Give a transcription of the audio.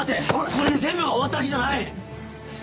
これで全部が終わったわけじゃない！